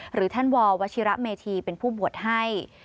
หรือท่านววชิระเมธีเป็นผู้บวชให้